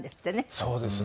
そうですね。